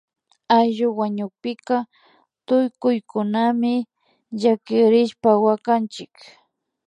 Ayllu wañukpika tukuykunami llakirishpa wakanchik